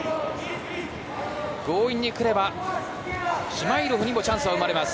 強引に来ればシュマイロフにもチャンスは生まれます。